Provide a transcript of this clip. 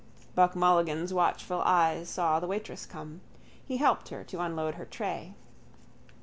Buck Mulligan's watchful eyes saw the waitress come. He helped her to unload her tray.